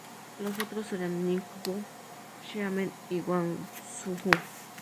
Los otros eran Ningbo, Xiamen y Guangzhou.